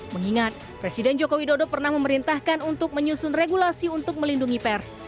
mengingat presiden joko widodo pernah memerintahkan untuk menyusun regulasi untuk melindungi pers